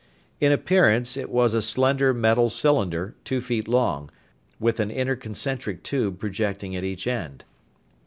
In appearance, it was a slender metal cylinder, two feet long, with an inner concentric tube projecting at each end.